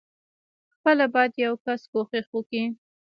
خپله بايد يو کس کوښښ وکي.